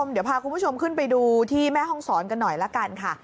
เดี๋ยวพาคุณผู้ชมขึ้นไปดูที่แม่ห้องศรกันหน่อยละกันค่ะ